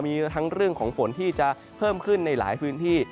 มีทั้งเรื่องของฝนที่จะเพิ่มขึ้นในหลายพื้นที่